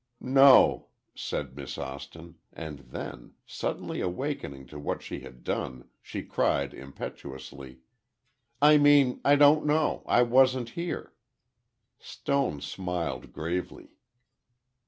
"No," said Miss Austin, and then, suddenly awakening to what she had done, she cried impetuously, "I mean, I don't know. I wasn't here." Stone smiled gravely.